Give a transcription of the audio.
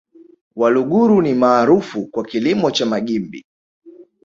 Waluguru ni maarufu kwa kilimo cha magimbi